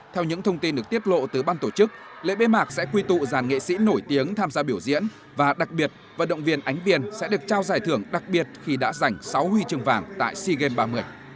theo những thông tin được tiết lộ từ ban tổ chức lễ bế mạc sẽ quy tụ dàn nghệ sĩ nổi tiếng tham gia biểu diễn và đặc biệt vận động viên ánh viên sẽ được trao giải thưởng đặc biệt khi đã giành sáu huy chương vàng tại sea games ba mươi